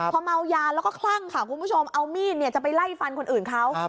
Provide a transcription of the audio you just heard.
พอเมายาแล้วก็คลั่งค่ะคุณผู้ชมเอามีดจะไปไล่ฟันคนอื่นเขา